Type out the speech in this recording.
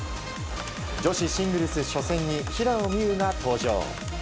女子シングルス初戦に平野美宇が登場。